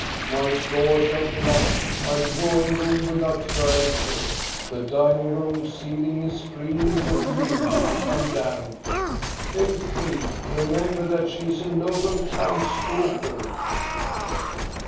My floors are black, my drawing room without furniture, the dining room ceiling is green with mildew and damp. Help me ! Remember that she is a noble count's daughter